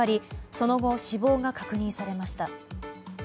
その後、死亡が確認されました。